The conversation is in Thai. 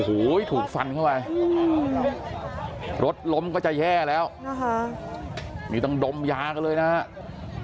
โอ้โหถูกฟันเข้าไปรถล้มก็จะแย่แล้วนะคะนี่ต้องดมยากันเลยนะครับ